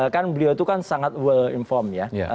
kan beliau itu kan sangat well informed ya